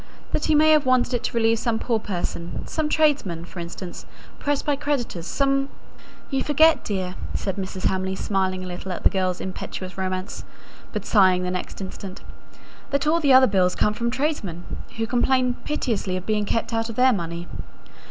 that he may have wanted it to relieve some poor person some tradesman, for instance, pressed by creditors some " "You forget, dear," said Mrs. Hamley, smiling a little at the girl's impetuous romance, but sighing the next instant, "that all the other bills come from tradesmen, who complain piteously of being kept out of their money."